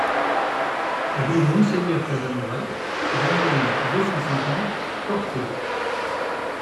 Rue Monseigneur Casanova, vingt mille deux cent cinquante Corte